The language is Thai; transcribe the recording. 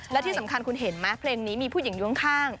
แล้วที่สำคัญคุณเห็นมั้ยเพลงนี้มีผู้หญิงด้วยข้าง